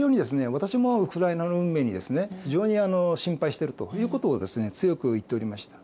私もウクライナの運命に非常に心配してるということをですね強く言っておりました。